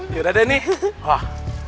yaudah deh nih